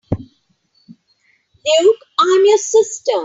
Luke, I am your sister!